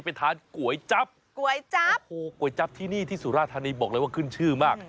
ไปทานก๋วยจั๊บก๋วยจั๊บโอ้โหก๋วยจับที่นี่ที่สุราธานีบอกเลยว่าขึ้นชื่อมาก